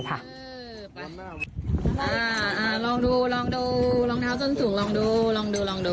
อ่าลองดูลองดูรองเท้าส้นสูงลองดูลองดูลองดู